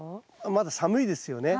まだ寒いですよね。